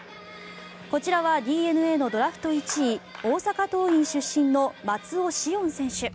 こちらはＤｅＮＡのドラフト１位大阪桐蔭出身の松尾汐恩選手。